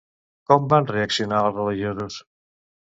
Com van reaccionar els religiosos?